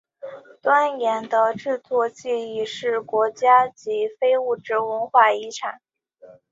端砚的制作技艺是国家级非物质文化遗产。